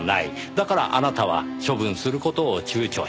だからあなたは処分する事を躊躇したんです。